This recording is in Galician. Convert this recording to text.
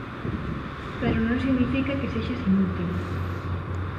Pero non significa que sexas inútil.